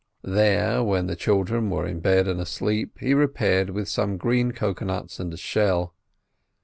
There, when the children were in bed and asleep, he repaired with some green cocoa nuts and a shell.